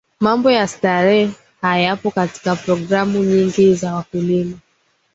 mambo ya starehe hayapo katika programu nyingi za wakulima